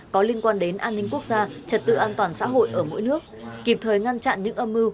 có liên quan đến an ninh quốc gia trật tự an toàn xã hội ở mỗi nước kịp thời ngăn chặn những âm mưu